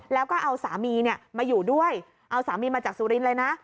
แล้วก็เอาสามีมาอยู่ด้วยเอาสามีมาจากสุรินทร์เลยนะ